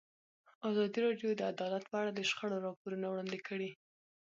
ازادي راډیو د عدالت په اړه د شخړو راپورونه وړاندې کړي.